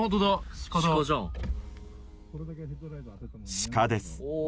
シカです。